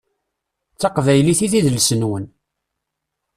D taqbylit i d idles-nwen.